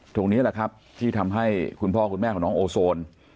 ตรงนี้แหละครับที่ทำให้คุณพ่อคุณแม่ของน้องโอโซน